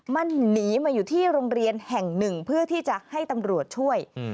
มันหนีมาอยู่ที่โรงเรียนแห่งหนึ่งเพื่อที่จะให้ตำรวจช่วย